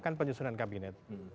kan penyusunan kabinet